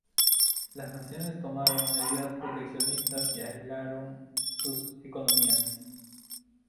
Las naciones tomaron medidas proteccionistas y aislaron sus economías.